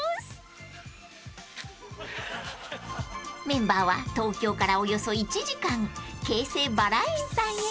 ［メンバーは東京からおよそ１時間京成バラ園さんへ］